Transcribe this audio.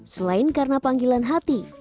selain karena panggilan hati